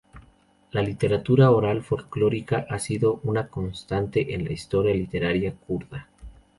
La literatura oral y folclórica ha sido una constante en la historia literaria kurda.